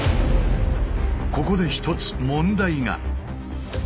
ここで一つ問題が。